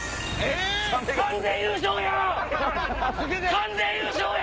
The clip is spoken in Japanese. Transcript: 完全優勝や！